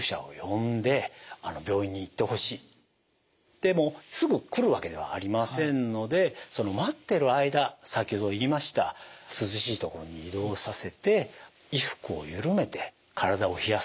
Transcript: でもすぐ来るわけではありませんのでその待ってる間先ほど言いました涼しい所に移動させて衣服をゆるめて体を冷やす。